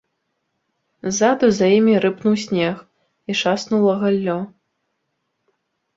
Ззаду за імі рыпнуў снег і шаснула галлё.